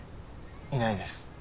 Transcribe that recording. いないです。